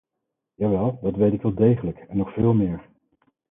Jawel, dat weet ik wel degelijk, en nog veel meer.